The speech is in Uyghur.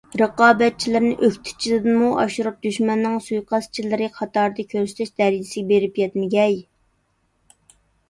رىقابەتچىلىرىنى ئۆكتىچىدىنمۇ ئاشۇرۇپ «دۈشمەننىڭ سۇيىقەستچىلىرى» قاتارىدا كۆرسىتىش دەرىجىسىگە بېرىپ يەتمىگەي.